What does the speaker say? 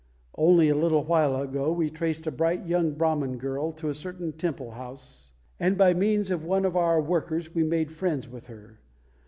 Only a little while ago we traced a bright young Brahman girl to a certain Temple house, and by means of one of our workers we made friends with her.